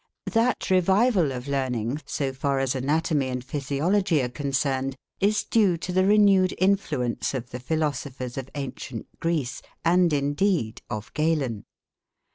That revival of learning, so far as anatomy and physiology are concerned, is due to the renewed influence of the philosophers of ancient Greece, and indeed, of Galen.